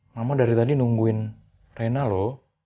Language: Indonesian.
mama dari tadi nungguin rena loh